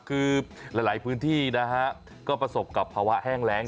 คือหลายพื้นที่นะฮะก็ประสบกับภาวะแห้งแรง